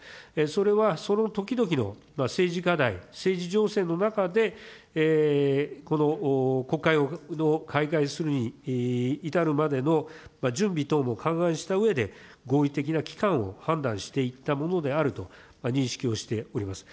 それはその時々の政治課題、政治情勢の中で、この国会の開会するに至るまでの準備等も勘案したうえで、合理的な期間を判断していったものであると認識をしております。